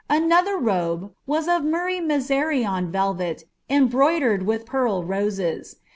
Another robe was of marray me/ereon velvet embroiiiered with pearl roses.